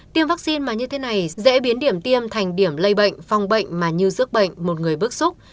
tiêm vaccine mà như thế này dễ biến điểm tiêm thành điểm lây bệnh phòng bệnh mà như giấc bệnh một người bức xúc